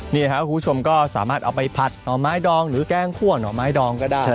นี่ครับคุณผู้ชมก็สามารถเอาไปผัดหน่อไม้ดองหรือแกล้งคั่วหน่อไม้ดองก็ได้